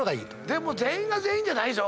でも全員が全員じゃないでしょ。